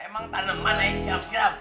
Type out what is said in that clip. emang taneman aja ini sirap sirap